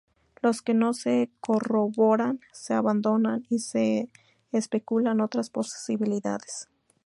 Los que no se corroboran, se abandonan y se especulan otras posibilidades.